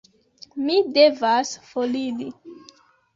Mi devas foriri.